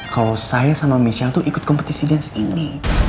kalau saya sama michelle tuh ikut kompetisi dance ini